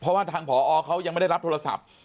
เพราะว่าทางผอเขายังไม่ได้รับโทรศัพท์